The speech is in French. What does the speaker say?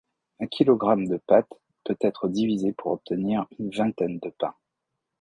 Un kilogramme de pâte peut être divisé pour obtenir une vingtaine de pains.